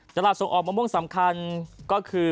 ส่งออกมะม่วงสำคัญก็คือ